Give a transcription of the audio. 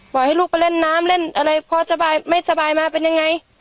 ให้ลูกไปเล่นน้ำเล่นอะไรพอสบายไม่สบายมาเป็นยังไง